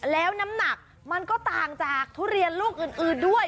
แล้วน้ำหนักมันก็ต่างจากทุเรียนลูกอื่นด้วย